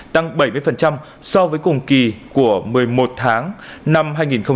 tăng bảy mươi so với cùng kỳ của một mươi một tháng năm hai nghìn hai mươi hai